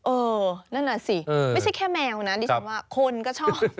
เออนั่นน่ะสิไม่ใช่แค่แมวนะดิฉันว่าคนก็ชอบ